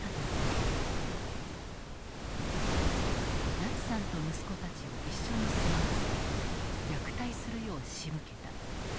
ナツさんと息子たちを一緒に住まわせ虐待するようしむけた。